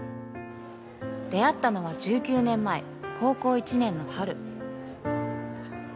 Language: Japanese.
出会ったのは１９年前高校１年の春